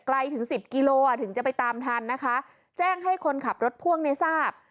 ถึงสิบกิโลอ่ะถึงจะไปตามทันนะคะแจ้งให้คนขับรถพ่วงในทราบ